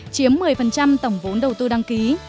chiếm một mươi tổng vốn đầu tư đăng ký